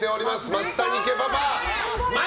松谷家パパ。